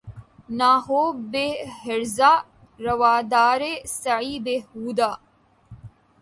نہ ہو بہ ہرزہ روادارِ سعیء بے ہودہ